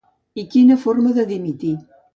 I quina forma de dimitir.